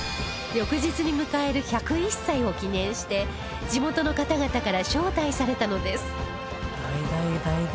翌日に迎える１０１歳を記念して地元の方々から招待されたのです